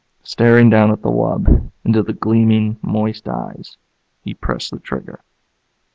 Staring down at the wub, into the gleaming, moist eyes, he pressed the trigger.